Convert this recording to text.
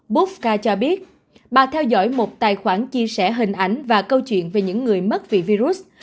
boodca cho biết bà theo dõi một tài khoản chia sẻ hình ảnh và câu chuyện về những người mất vì virus